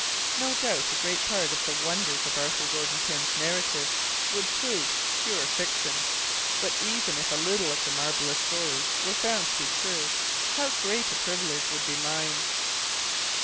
No doubt a great part of the wonders of Arthur Gordon Pym's narrative would prove pure fiction, but if even a little of the marvellous story were found to be true, how great a privilege would be mine!